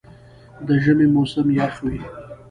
د ژمي موسم یخ وي.